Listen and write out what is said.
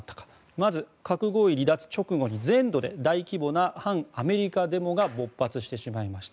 まず、核合意離脱直後に全土で大規模な反米デモが勃発してしまいました。